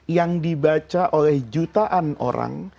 yang dibaca oleh jutaan orang